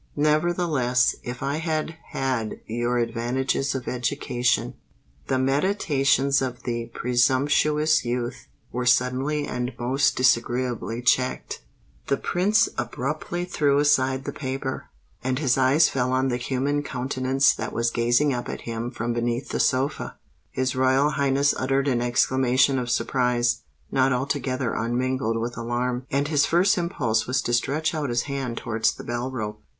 Nevertheless, if I had had your advantages of education——" The meditations of the presumptuous youth were suddenly and most disagreeably checked:—the Prince abruptly threw aside the paper, and his eyes fell on the human countenance that was gazing up at him from beneath the sofa. His Royal Highness uttered an exclamation of surprise—not altogether unmingled with alarm; and his first impulse was to stretch out his hand towards the bell rope.